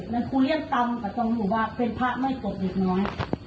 นั้นคุณเรียกตามกับตรงหนูว่าเป็นพระไม่กดอีกน้อย